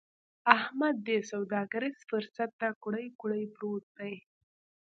احمد دې سوداګريز فرصت ته کوړۍ کوړۍ پروت دی.